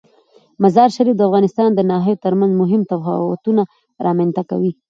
مزارشریف د افغانستان د ناحیو ترمنځ مهم تفاوتونه رامنځ ته کوي.